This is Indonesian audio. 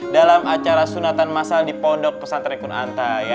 dalam acara sunatan masal di pondok pesantren kunanta